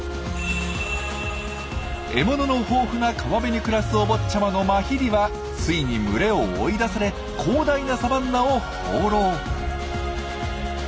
獲物の豊富な川辺に暮らすお坊ちゃまのマヒリはついに群れを追い出され広大なサバンナを放浪。